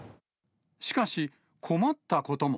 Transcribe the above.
しかし、困ったことも。